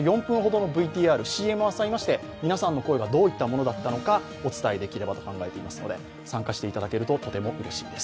ＣＭを挟みまして皆さんの声がどういったものだったのかお伝えできればと考えていますので参加していただけるととてもうれしいです。